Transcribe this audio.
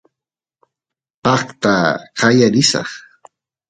paqta qaya risaq